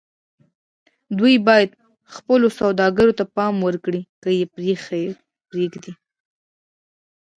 دوی بايد خپلو سوداګريو ته دوام ورکړي که يې پرېږدي.